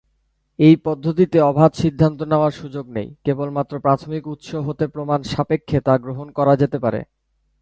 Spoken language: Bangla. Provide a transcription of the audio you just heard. এই পদ্ধতিতে অবাধ সিদ্ধান্ত নেওয়ার সুযোগ নেই, কেবল মাত্র প্রাথমিক উৎস হতে প্রমাণ সাপেক্ষে তা গ্রহণ করা যেতে পারে।